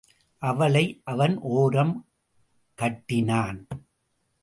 அவளை அவன் ஒரம் கட்டினான்.